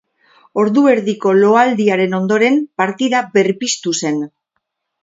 Ordu erdiko loaldiaren ondoren partida berpiztu zen.